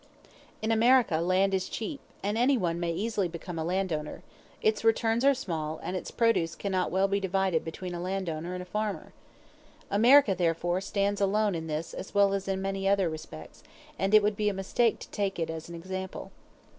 In America land is cheap, and anyone may easily become a landowner; its returns are small, and its produce cannot well be divided between a landowner and a farmer. America therefore stands alone in this as well as in many other respects, and it would be a mistake to take it as an example.